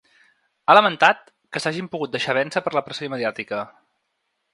Ha lamentat que s’hagin pogut ‘deixar vèncer per la pressió mediàtica’.